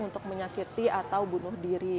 untuk menyakiti atau bunuh diri